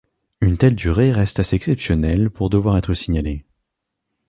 Une telle durée reste assez exceptionnelle pour devoir être signalée.